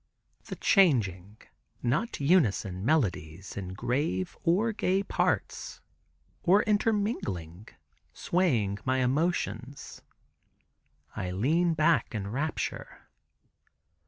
The changing (not unison) melodies in grave or gay parts, or intermingling, swaying my emotions. I lean back in rapture.